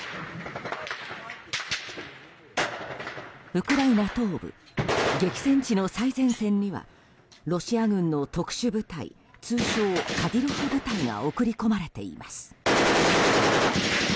ウクライナ東部激戦地の最前線にはロシア軍の特殊部隊通称カディロフ部隊が送り込まれています。